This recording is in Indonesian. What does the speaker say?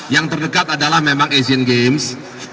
yang terdekat adalah memang asian games